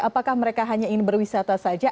apakah mereka hanya ingin berwisata saja